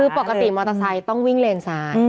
คือปกติมอเตอร์ไซค์ต้องวิ่งเลนซ้าย